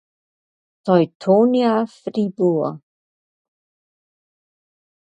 Teutonia Fribourg.